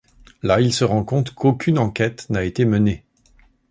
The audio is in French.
Là, il se rend compte qu'aucune enquête n'a été menée.